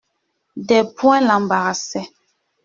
Des points l'embarrassaient.